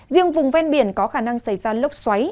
riêng vùng ven biển có khả năng xảy ra lốc xoáy